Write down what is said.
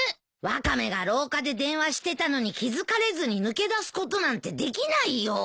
ワカメが廊下で電話してたのに気付かれずに抜け出すことなんてできないよ。